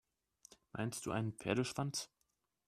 Meinst du einen Pferdeschwanz?